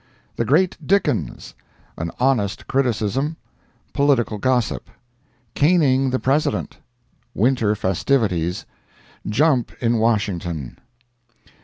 ] The Great Dickens—An Honest Criticism—Political Gossip—Caning the President—Winter Festivities—Jump in Washington.